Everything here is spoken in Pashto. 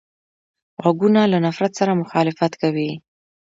غوږونه له نفرت سره مخالفت کوي